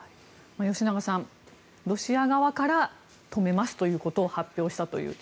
吉永さん、ロシア側から止めますということを発表したという。